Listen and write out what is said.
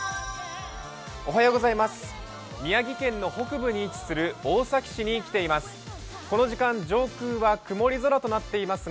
宮城県の北部に位置する大崎市に来ています。